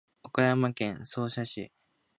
岡山県総社市